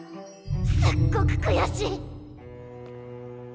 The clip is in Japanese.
すっごくくやしい！